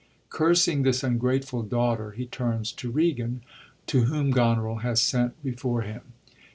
Oursing this ungrateful daughter, he turns to Regan, to whom Goneril has sent before him.